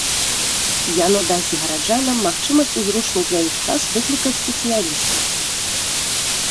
Яно дасць гараджанам магчымасць у зручны для іх час выклікаць спецыяліста.